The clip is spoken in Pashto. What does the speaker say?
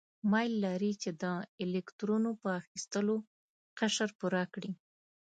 میل لري چې د الکترونو په اخیستلو قشر پوره کړي.